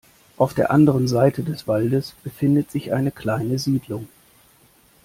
Auf der anderen Seite des Waldes befindet sich eine kleine Siedlung.